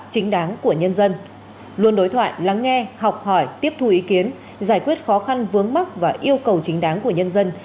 và nhân dân luôn đối thoại lắng nghe học hỏi tiếp thu ý kiến giải quyết khó khăn vướng mắc và yêu cầu chính đáng của nhân dân